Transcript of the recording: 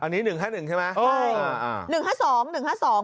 อันนี้หนึ่งห้าหนึ่งใช่ไหมใช่อ่าหนึ่งห้าสองหนึ่งห้าสอง